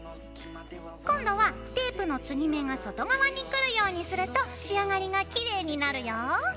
今度はテープの継ぎ目が外側にくるようにすると仕上がりがきれいになるよ。